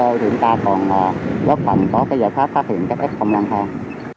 thì chúng ta còn góp phần có giải pháp phát hiện các hét không lang thang